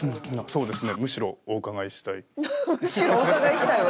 そうですね。